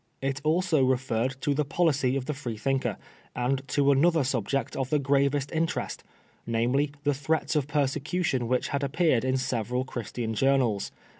It also referred to the policy of the Free thmkeTy and to another subject of the gravest interest — namely, the threats of prosecution which had ap peared in several Christian journals.